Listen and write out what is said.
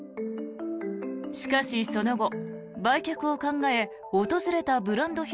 しかしその後、売却を考え訪れたブランド品